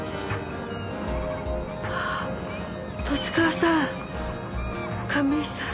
あっ十津川さん亀井さん。